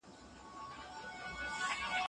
نجلۍ په خپله مورنۍ ژبه باندې ډېر بې کچې فخر کاوه.